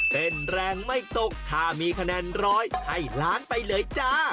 เป็นแรงไม่ตกถ้ามีคะแนนร้อยให้ล้านไปเลยจ้า